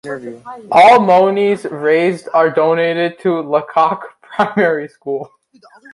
All monies raised are donated to Lacock Primary School.